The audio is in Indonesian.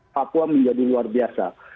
papua menjadi luar biasa